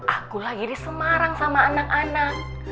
aku lagi di semarang sama anak anak